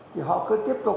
thì họ cứ tiếp tục